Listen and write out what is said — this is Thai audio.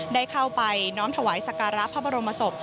ได้เข้าไปน้อมถวายสการะพระบรมศพ